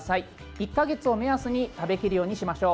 １か月を目安に食べきるようにしましょう。